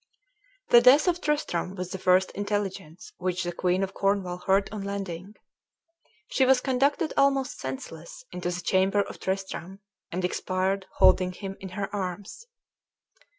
The death of Tristram was the first intelligence which the queen of Cornwall heard on landing. She was conducted almost senseless into the chamber of Tristram, and expired holding him in her arms.